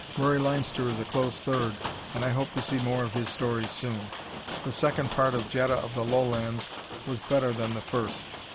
Murray Leinster is a close third, and I hope to see more of his stories soon. The second part of "Jetta of the Lowlands" was better than the first.